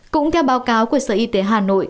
cũng theo báo cáo của sở y tế hà nội